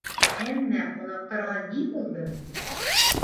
Әммә ҡунаҡтарға ни булды?